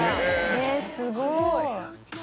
えっすごい。